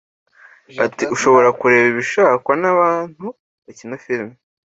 Ati "Ushobora kureba ibishakwa n’abantu bakina filime